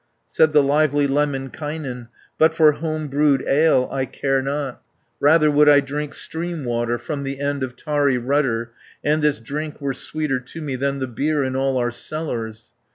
Said the lively Lemminkainen, "But for home brewed ale I care not, Rather would I drink stream water, From the end of tarry rudder, And this drink were sweeter to me Than the beer in all our cellars.